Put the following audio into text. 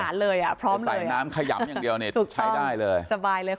พร้อมเลยอะถูกต้องสบายเลยจะใส่น้ำขยัมอย่างเดียวเนี่ยใช้ได้เลย